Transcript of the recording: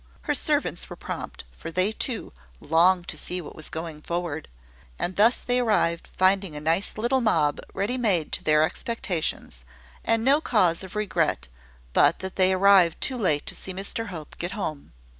Her servants were prompt, for they, too, longed to see what was going forward; and thus they arrived, finding a nice little mob ready made to their expectations, and no cause of regret but that they arrived too late to see Mr Hope get home.